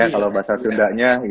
kalau bahasa sundanya